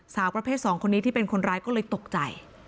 สาวประเภท๒คนนี้ที่เป็นคนร้ายก็เลยตกใจ